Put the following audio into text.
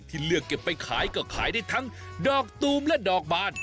เลือกเก็บไปขายก็ขายได้ทั้งดอกตูมและดอกบาน